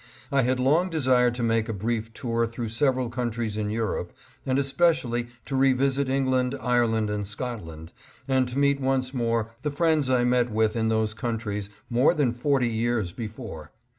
I had long desired to make a brief tour through several countries in Europe and especially to revisit England, Ireland and Scotland, and to meet once more the friends I met with in those countries more than forty years before.